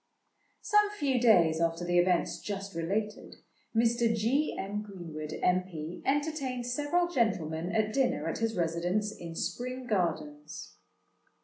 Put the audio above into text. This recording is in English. Some few days after the events just related, Mr. G. M. Greenwood, M.P., entertained several gentlemen at dinner at his residence in Spring Gardens.